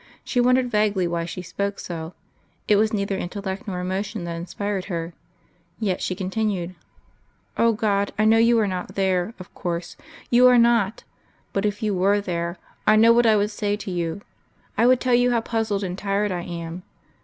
She wondered vaguely why she spoke so; it was neither intellect nor emotion that inspired her. Yet she continued.... "O God, I know You are not there of course You are not. But if You were there, I know what I would say to You. I would tell You how puzzled and tired I am.